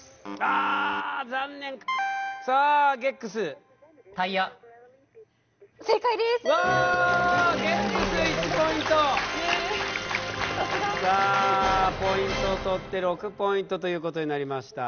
さあポイント取って６ポイントということになりました。